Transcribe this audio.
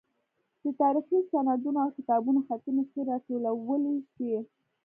د تاریخي سندونو او کتابونو خطي نسخې راټولې شوې.